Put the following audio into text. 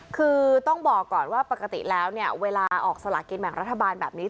คือต้องบอกก่อนว่าปกติแล้วเนี่ยเวลาออกสลากินแบ่งรัฐบาลแบบนี้